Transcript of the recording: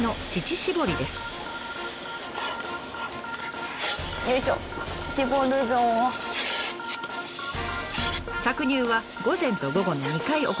搾乳は午前と午後の２回行います。